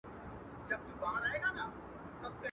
هغه کيسې د چڼچڼيو د وژلو کړلې.